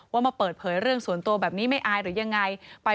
ว่ามาเปิดเผยเรื่องส่วนตัวแบบนี้ไม่อายหรือยังไง